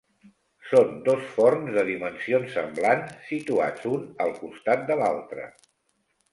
Són dos forns de dimensions semblants situats un al costat de l'altre.